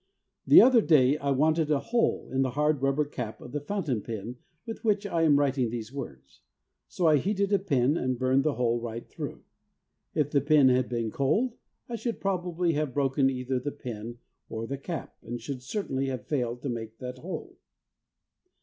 The other day I wanted a hole in the hard rubber cap of the fountain pen with which I am writing these words, so I heated a pin, and burned the hole right through. If the pin had been cold I should probably have broken either the pin or the cap, and should certainly have failed to make that hole.